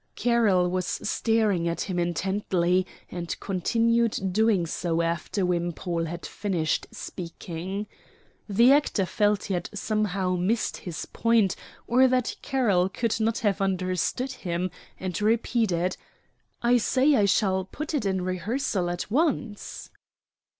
Carroll was staring at him intently and continued doing so after Wimpole had finished speaking. The actor felt he had somehow missed his point, or that Carroll could not have understood him, and repeated, "I say I shall put it in rehearsal at once."